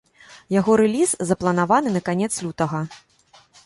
Яго рэліз запланаваны на канец лютага.